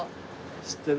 知ってる？